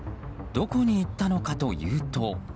どこに行ったのかというと。